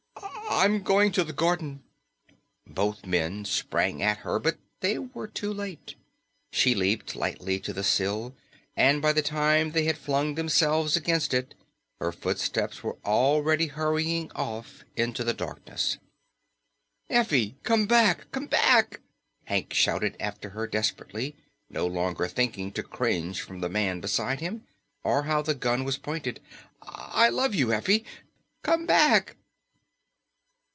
I'm going to the garden." Both men sprang at her, but they were too late. She leaped lightly to the sill, and by the time they had flung themselves against it, her footsteps were already hurrying off into the darkness. "Effie, come back! Come back!" Hank shouted after her desperately, no longer thinking to cringe from the man beside him, or how the gun was pointed. "I love you, Effie. Come back!"